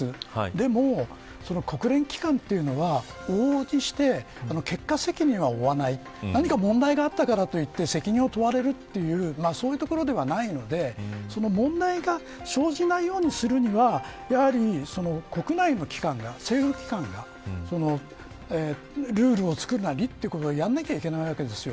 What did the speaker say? でも、国連機関というのは往々にして結果責任は負わない何か問題があったからといって責任を問われるというそういうところではないのでその問題が生じないようにするには国内の機関が、政府機関がルールを作るなりということをやらなきゃいけないわけですよ。